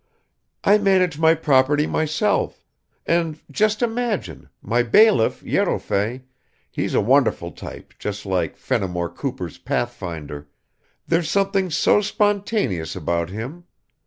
I manage my property myself, and just imagine, my bailiff Yerofay he's a wonderful type, just like Fenimore Cooper's Pathfinder there's something so spontaneous about him!